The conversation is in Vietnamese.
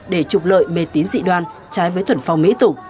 để trục lợi mê tín dị đoan trái với thuần phong mỹ tục